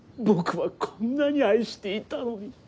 僕はこんなに愛していたのに。